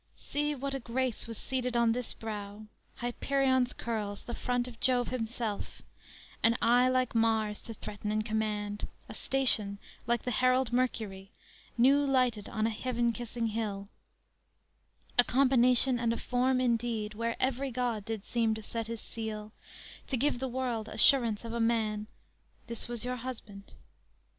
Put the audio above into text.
See what a grace was seated on this brow; Hyperion's curls, the front of Jove himself, An eye like Mars, to threaten and command; A station like the herald Mercury New lighted on a heaven kissing hill; A combination and a form indeed, Where every god did seem to set his seal To give the world assurance of a man; This was your husband.